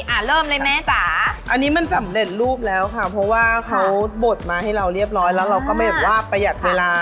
เริ่มเลยแม่จ๋าอันนี้มันสำเร็จรูปแล้วค่ะเพราะว่าเขาบดมาให้เราเรียบร้อยแล้วเราก็ไม่แบบว่าประหยัดเวลา